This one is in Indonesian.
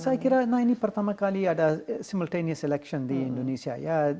ya saya kira nah ini pertama kali ada simultaneous election di indonesia ya